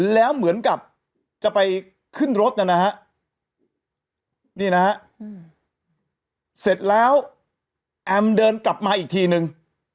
แล้วเหมือนกับจะไปขึ้นรถนะฮะนี่นะฮะเสร็จแล้วแอมเดินกลับมาอีกทีนึง